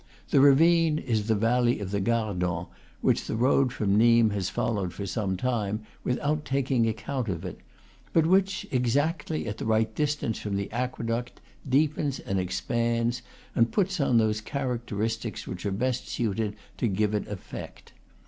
The ravine is the valley of the Gardon, which the road from Nimes has followed some time without taking account of it, but which, exactly at the right distance from the aqueduct, deepens and ex pands, and puts on those characteristics which are best suited to give it effect.